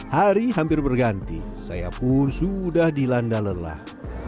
hari hampir berganti saya pun sudah dilanda lelah